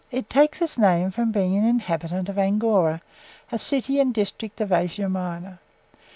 It takes its name from being an inhabitant of Angora, a city and district of Asia Minor.